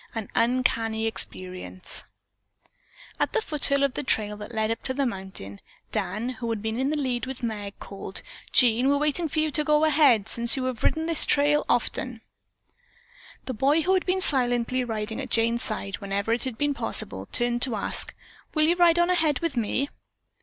AN UNCANNY EXPERIENCE At the foot of the trail that led up the mountain, Dan, who had been in the lead with Meg, called: "Jean, we're waiting for you to go ahead, since you have so often ridden this trail." The boy, who had been silently riding at Jane's side whenever it had been possible, turned to ask: "Will you ride on ahead with me?"